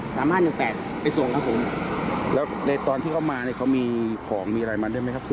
สามห้าหนึ่งแปดไปส่งครับผมแล้วในตอนที่เขามาเนี่ยเขามีของมีอะไรมาด้วยไหมครับ